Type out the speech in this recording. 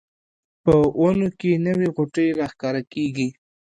په ونو کې نوې غوټۍ راښکاره کیږي